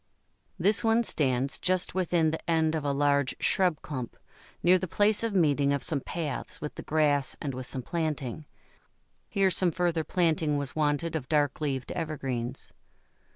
This one stands just within the end of a large shrub clump, near the place of meeting of some paths with the grass and with some planting; here some further planting was wanted of dark leaved evergreens.